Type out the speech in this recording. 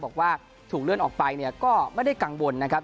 บอกว่าถูกเลื่อนออกไปเนี่ยก็ไม่ได้กังวลนะครับ